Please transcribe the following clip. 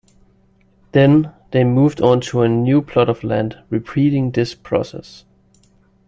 Then, they moved on to a new plot of land, repeating this process.